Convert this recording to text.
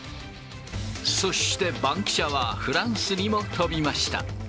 そして、バンキシャはフランスにも飛びました。